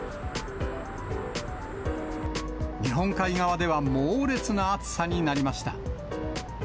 日本海側では猛烈な暑さになりました。